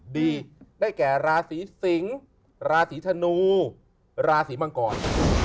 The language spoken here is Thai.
ดีได้แก่ราศีสิงศ์ราศีธนูราศีมังกร